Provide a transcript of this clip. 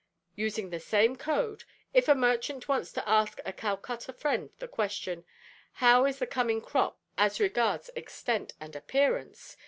Using the same code, if a merchant wants to ask a Calcutta friend the question `_How is the coming crop as regards extent and appearance_?'